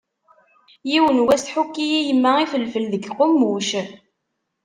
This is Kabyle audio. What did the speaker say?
Yiwen n wass tḥukki-yi yemma ifelfel deg uqemmuc.